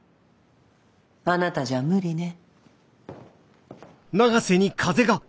あなたじゃ無理ね。